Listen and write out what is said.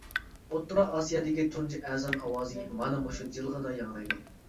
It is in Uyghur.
ئوتتۇرا ئاسىيادىكى تۇنجى ئەزان ئاۋازى مانا مۇشۇ جىلغىدا ياڭرايدۇ.